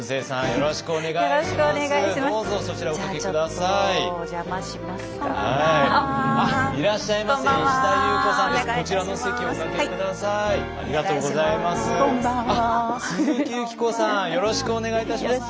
よろしくお願いします。